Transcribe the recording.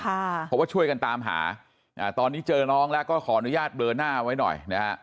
เพราะว่าช่วยกันตามหาตอนนี้เจอน้องแล้วก็ขออนุญาตเบลอหน้าไว้หน่อยนะฮะ